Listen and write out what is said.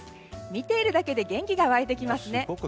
見ているだけで元気が湧いてきますね！